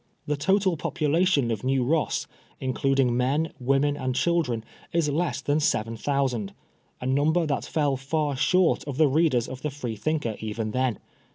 The total population of New Ross, including men, women and children, is less than seven thousand ; a number that fell far short of the readers of the Free ^ thinker even then.